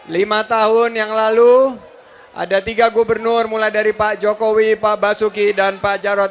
lima tahun yang lalu ada tiga gubernur mulai dari pak jokowi pak basuki dan pak jarod